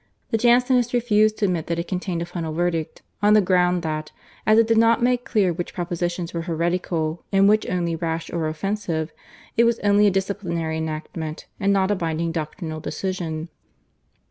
The Jansenists refused to admit that it contained a final verdict on the ground that, as it did not make clear which propositions were heretical and which only rash or offensive, it was only a disciplinary enactment and not a binding doctrinal decision.